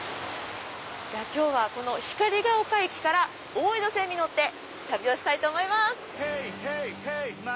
じゃ今日はこの光が丘駅から大江戸線に乗って旅をしたいと思います。